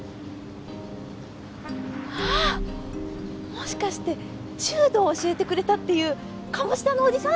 もしかして柔道教えてくれたっていう鴨志田のおじさん？